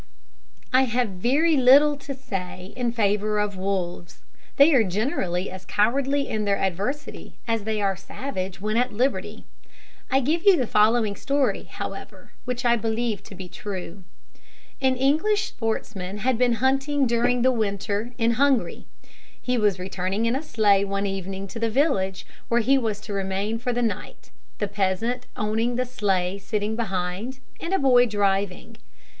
I have very little to say in favour of wolves. They are generally as cowardly in their adversity as they are savage when at liberty. I give you the following story, however, which I believe to be true. An English sportsman had been hunting during the winter in Hungary. He was returning in a sleigh one evening to the village where he was to remain for the night, the peasant owning the sleigh sitting behind, and a boy driving.